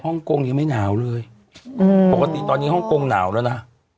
กงยังไม่หนาวเลยอืมปกติตอนนี้ฮ่องกงหนาวแล้วนะ